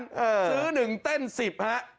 ซื้อหนึ่งเต้นสิบฮะ